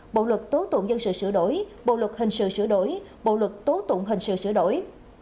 bộ luật tố tụng dân sự sửa đổi bộ luật hình sự sửa đổi bộ luật tố tụng hình sự sửa đổi